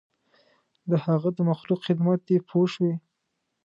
د هغه د مخلوق خدمت دی پوه شوې!.